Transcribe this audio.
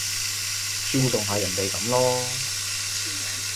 尊重下人哋噉囉